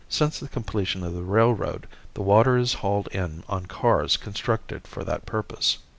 Since the completion of the railroad the water is hauled in on cars constructed for that purpose.